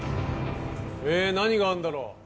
えー、何があるんだろう。